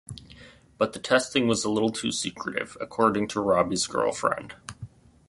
But the testing was a little too secretive, according to Robby's girlfriend.